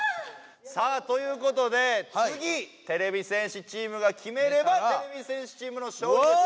さあということでつぎてれび戦士チームが決めればてれび戦士チームの勝利です。